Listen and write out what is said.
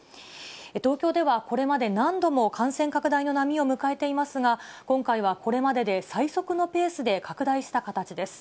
東京ではこれまで何度も感染拡大の波を迎えていますが、今回はこれまでで最速のペースで拡大した形です。